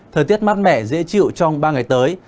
thời tiết mát mẻ dễ chịu trong ba ngày tới